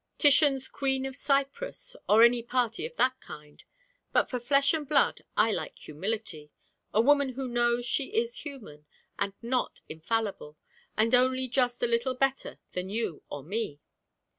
Titian's Queen of Cyprus, or any party of that kind; but for flesh and blood I like humility a woman who knows she is human, and not infallible, and only just a little better than you or me.